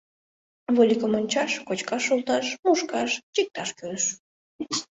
Вольыкым ончаш, кочкаш шолташ, мушкаш, чикташ кӱлеш.